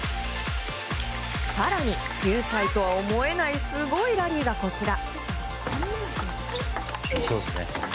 更に９歳とは思えないすごいラリーがこちら。